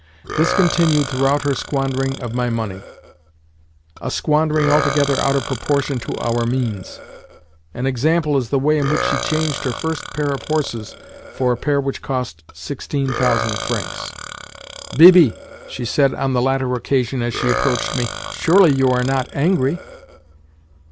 This continued throughout her squandering of my money—a squandering altogether out of proportion to our means. An example is the way in which she changed her first pair of horses for a pair which cost sixteen thousand francs. "Bibi," she said on the latter occasion as she approached me, "surely you are not angry?"